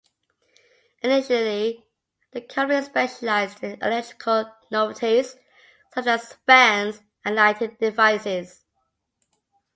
Initially, the company specialized in electrical novelties, such as fans and lighting devices.